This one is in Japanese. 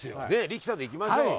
「力さん」でいきましょう。